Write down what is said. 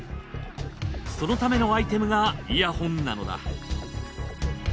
そのためのアイテムがイヤホンなのだ。